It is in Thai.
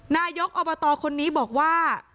นายกอบตคนนี้บอกว่า